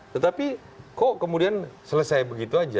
tetapi kok kemudian selesai begitu aja